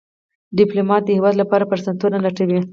ډيپلومات د هېواد لپاره فرصتونه لټوي.